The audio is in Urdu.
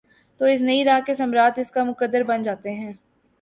تو اس نئی راہ کے ثمرات اس کا مقدر بن جاتے ہیں ۔